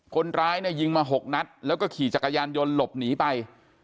คนร้ายเนี่ยยิงมา๖นัดแล้วก็ขี่จักรยานยนต์หลบหนีไป